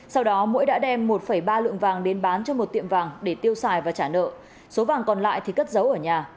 sau đó mỗi đã đem một ba lượng vàng đến bán cho một tiệm vàng để tiêu xài và trả nợ số vàng còn lại thì cất giấu ở nhà